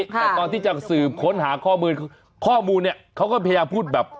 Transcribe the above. แต่ตอนที่จะสืบค้นหาข้อมูลข้อมูลเนี่ยเขาก็พยายามพูดแบบ